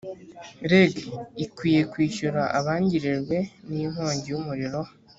reg ikwiye kwishyura abangirijwe ninkongi yumuriro